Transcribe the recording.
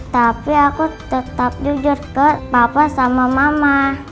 tapi aku tetap jujur ke papa sama mama